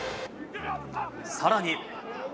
さらに。